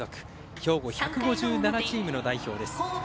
兵庫１５７チームの代表です。